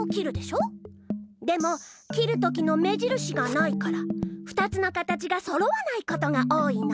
でも切るときの目じるしがないから２つの形がそろわないことが多いの。